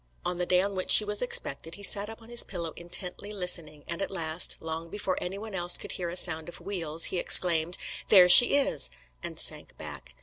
On the day on which she was expected, he sat up on his pillows intently listening, and at last, long before anyone else could hear a sound of wheels, he exclaimed: "There she is!" and sank back.